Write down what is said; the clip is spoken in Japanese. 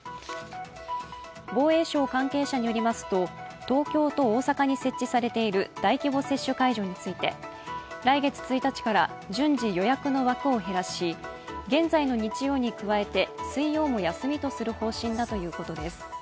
防衛省関係者によりますと東京と大阪に設置されている大規模接種会場について来月１日から順次予約の枠を減らし現在の日曜に加えて水曜も休みとする方針だということです。